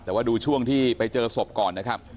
แต่ว่าดูช่วงที่ไปเจอศพก่อนนะครับ